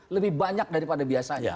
lebih banyak daripada biasanya